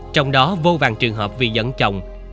trong đó vô vàng trường hợp vì dẫn chồng